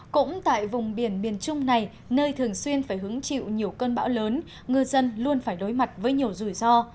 cũng tại vùng biển miền trung này nơi thường xuyên phải hứng chịu nhiều cơn bão lớn ngư dân luôn phải đối mặt với nhiều rủi ro